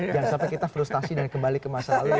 jangan sampai kita frustasi dan kembali ke masa lalu